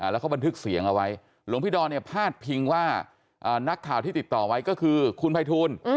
แล้วเขาบันทึกเสียงเอาไว้หลวงพี่ดอนเนี่ยพาดพิงว่านักข่าวที่ติดต่อไว้ก็คือคุณภัยทูล